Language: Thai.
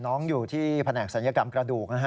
น้องอยู่ที่พนักศัลยกรรมกระดูก